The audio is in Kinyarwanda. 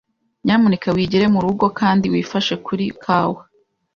Nyamuneka wigire murugo, kandi wifashe kuri kawa.